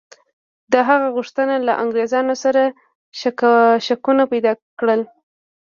د هغه غوښتنه له انګرېزانو سره شکونه پیدا کړل.